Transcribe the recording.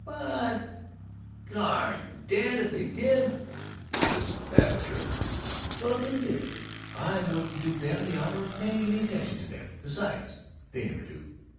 "But gooooooosh, Dad, if they DID!" Mrs. Babbitt chirped, "Well, if they did, I wouldn't do them the honor of paying any attention to them! Besides, they never do.